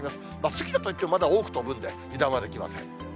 過ぎたといっても、まだ多く飛ぶんで、油断はできません。